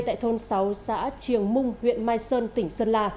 tại thôn sáu xã triềng mung huyện mai sơn tỉnh sơn la